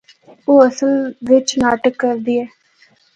او اصل وچ ناٹک کردی اے۔